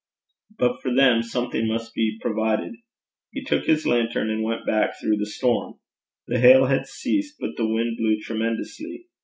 but for them something must be provided. He took his lantern and went back through the storm. The hail had ceased, but the wind blew tremendously.